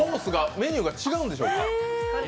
メニューが違うんでしょうか。